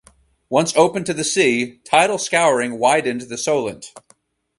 Once open to the sea, tidal scouring widened the Solent.